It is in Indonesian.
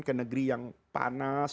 ke negeri yang panas